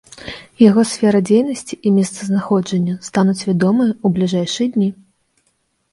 Яго сфера дзейнасці і месцазнаходжанне стануць вядомыя ў бліжэйшыя дні.